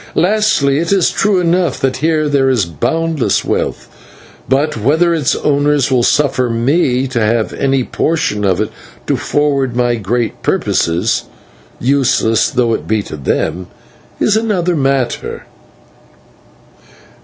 Lastly, it is true enough that here there is boundless wealth; but whether its owners will suffer me to have any portion of it, to forward my great purposes useless though it be to them is another matter."